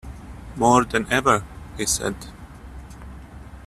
"More than ever," he said.